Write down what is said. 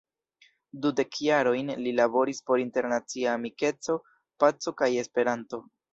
Dudek jarojn li laboris por internacia amikeco, paco kaj Esperanto.